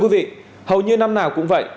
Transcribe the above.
quý vị hầu như năm nào cũng vậy